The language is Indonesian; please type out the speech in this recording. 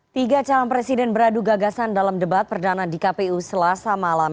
tiga calon presiden beradu gagasan dalam debat perdana di kpu selasa malam